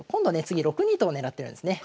次６二と金を狙ってるんですね。